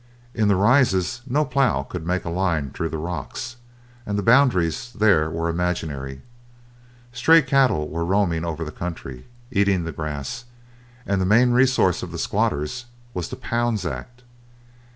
In the Rises no plough could make a line through the rocks, and the boundaries there were imaginary. Stray cattle were roaming over the country, eating the grass, and the main resource of the squatters was the Pounds Act.